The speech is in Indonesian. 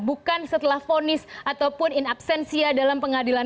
bukan setelah fonis ataupun in absensia dalam pengadilan